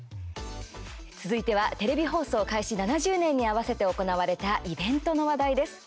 続いては、テレビ放送開始７０年に合わせて行われたイベントの話題です。